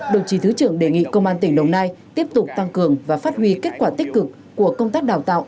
đồng chí thứ trưởng đề nghị công an tỉnh đồng nai tiếp tục tăng cường và phát huy kết quả tích cực của công tác đào tạo